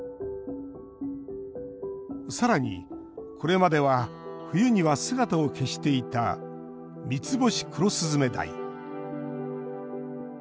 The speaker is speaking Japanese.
さらに、これまでは冬には姿を消していたミツボシクロスズメダイ。